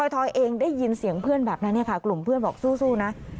ถอยเองได้ยินเสียงเพื่อนแบบนั้นเนี่ยค่ะกลุ่มเพื่อนบอกสู้นะ